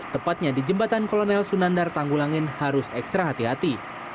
tepatnya di jembatan kolonel sunandar tanggulangin harus ekstra hati hati